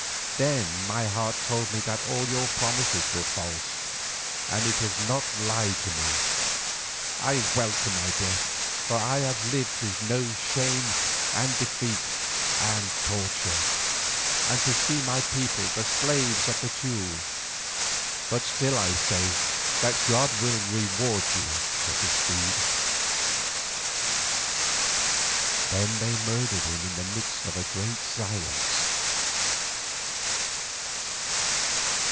Then my heart told me that all your promises were false, and it has not lied to me. I welcome my death, for I have lived to know shame and defeat and torture, and to see my people the slaves of the Teule, but still I say that God will reward you for this deed." Then they murdered him in the midst of a great silence.